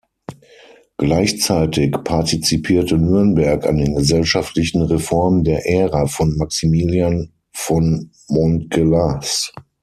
Gleichzeitig partizipierte Nürnberg an den gesellschaftlichen Reformen der Ära von Maximilian von Montgelas.